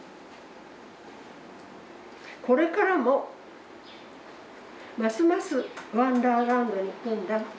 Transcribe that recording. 「これからもますますワンダーランドに行くんだ。